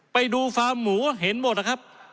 ไปดูฟาร์มหมูเห็นหมดนะครับ